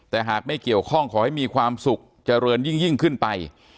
แต่หากไม่เกี่ยวข้องขอให้มีความสุขเจริญยิ่งขึ้นไป